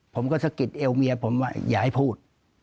ผมก็สะกิดเอวเมียผมอย่าให้พูด